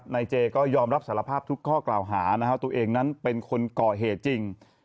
นายเจก็ยอมรับสารภาพทุกข้อกล่าวหานะครับตัวเองนั้นเป็นคนก่อเหตุจริง